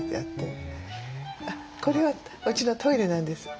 これはうちのトイレなんです。